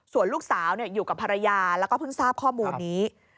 ส่วนลูกสาวอยู่กับภรรยาแล้วก็เพิ่งทราบข้อมูลนี้